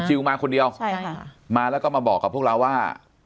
มาคนเดียวใช่ค่ะมาแล้วก็มาบอกกับพวกเราว่า